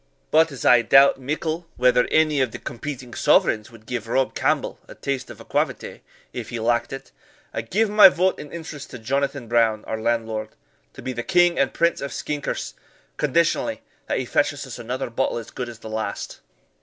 But as I doubt mickle whether any of the competing sovereigns would give Rob Campbell a tass of aquavitae, if he lacked it, I give my vote and interest to Jonathan Brown, our landlord, to be the King and Prince of Skinkers, conditionally that he fetches us another bottle as good as the last."